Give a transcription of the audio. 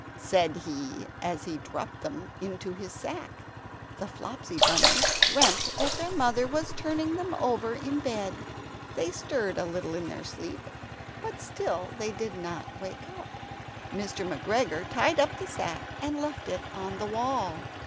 said he as he dropped them into his sack. The Flopsy Bunnies dreamt that their mother was turning them over in bed. They stirred a little in their sleep, but still they did not wake up. Mr. McGregor tied up the sack and left it on the wall.